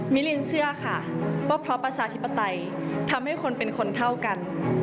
ลินเชื่อค่ะว่าเพราะประชาธิปไตยทำให้คนเป็นคนเท่ากัน